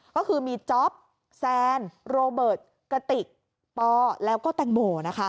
ก็คือมีจ๊อปแซนโรเบิร์ตกระติกปแล้วก็แตงโมนะคะ